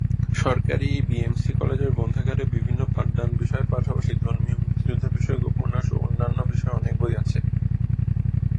সরকারি B M C কলেজের গ্রন্থাগারে বিভিন্ন পাঠদান বিষয়ের পাশাপাশি ধর্মীয়, মুক্তিযোদ্ধা বিষয়ক, উপন্যাস ও অন্যান্য বিষয়ে অনেক বই আছে।